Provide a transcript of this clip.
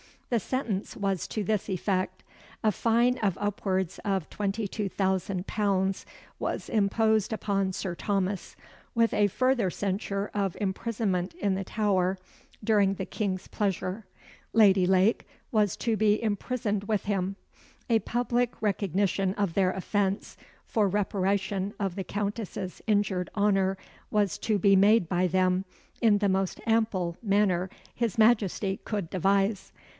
The sentence was to this effect: A fine of upwards of £22,000 was imposed upon Sir Thomas, with a further censure of imprisonment in the Tower, during the King's pleasure. Lady Lake was to be imprisoned with him. A public recognition of their offence, for reparation of the Countess's injured honour, was to be made by them, in the most ample manner His Majesty could devise.